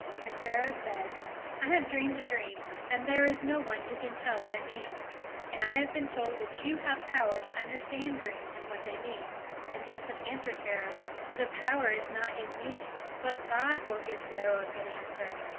And Pharaoh said: "I have dreamed a dream; and there is no one who can tell what it means. And I have been told that you have power to understand dreams and what they mean." And Joseph answered Pharaoh: "The power is not in me; but God will give Pharaoh a good answer.